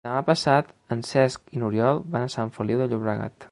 Demà passat en Cesc i n'Oriol van a Sant Feliu de Llobregat.